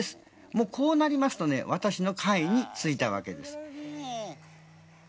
もうこうなりますと私の下位についたわけです。